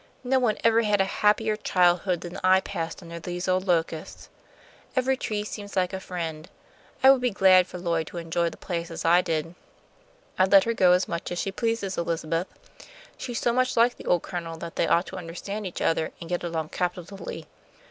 "No one ever had a happier childhood than I passed under these old locusts. Every tree seems like a friend. I would be glad for Lloyd to enjoy the place as I did." "I'd let her go as much as she pleases, Elizabeth. She's so much like the old Colonel that they ought to understand each other, and get along capitally.